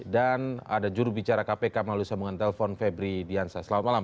dan ada jurubicara kpk melalui sambungan telepon febri diansa selamat malam